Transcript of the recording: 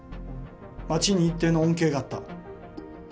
町に一定の恩恵があった。